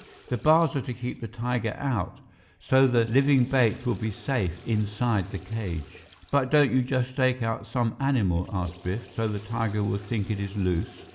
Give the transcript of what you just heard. "The bars are to keep the tiger out, so the living bait will be safe inside the cage." "But don't you just stake out some animal?" asked Biff. "So the tiger will think it is loose?"